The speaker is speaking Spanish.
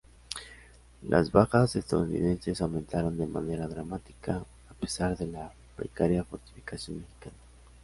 Las bajas estadounidenses aumentaron de manera dramática, a pesar de la precaria fortificación mexicana.